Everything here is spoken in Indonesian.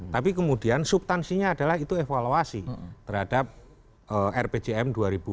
tapi kemudian subtansinya adalah itu evaluasi terhadap rpjm dua ribu empat belas dua ribu sembilan belas